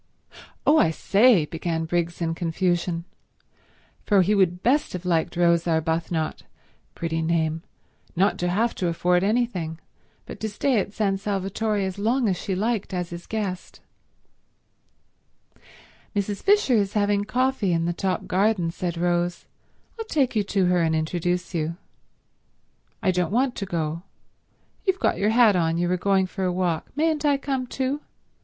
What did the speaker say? "Oh, I say—" began Briggs in confusion, for he would best have liked Rose Arbuthnot—pretty name—not to have to afford anything, but to stay at San Salvatore as long as she liked as his guest. "Mrs. Fisher is having coffee in the top garden," said Rose. "I'll take you to her and introduce you." "I don't want to go. You've got your hat on, so you were going for a walk. Mayn't I come too?